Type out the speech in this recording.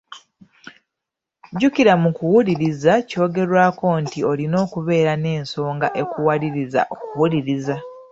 Jjukira mu kuwuliriza kyogerwako nti olina okuba n'ensonga ekuwaliriza okuwuliriza.